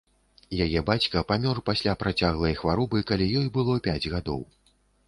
Яе бацька памёр пасля працяглай хваробы, калі ёй было пяць гадоў.